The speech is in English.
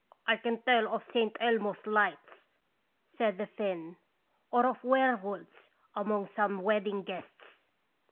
"I can tell of St. Elmo's lights," said the Finn, " or of were wolves among some wedding guests."